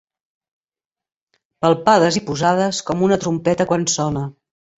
Palpades i posades, com una trompeta quan sona.